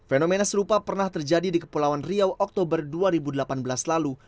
fenomena serupa pernah terjadi di kepulauan riau oktober dua ribu delapan belas lalu